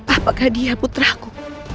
apakah dia putriku